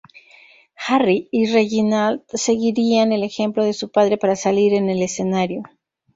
Harry y Reginald seguirían el ejemplo de su padre para salir en el escenario.